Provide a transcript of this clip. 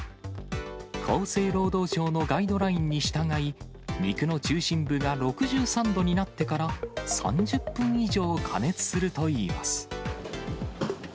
厚生労働省のガイドラインに従い、肉の中心部が６３度になってから、３０分以上加熱するといいます。